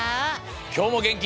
きょうもげんきに！